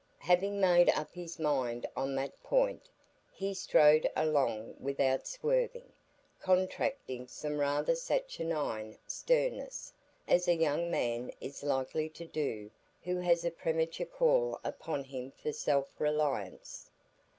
Having made up his mind on that point, he strode along without swerving, contracting some rather saturnine sternness, as a young man is likely to do who has a premature call upon him for self reliance.